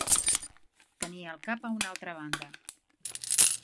Tenir el cap a una altra banda.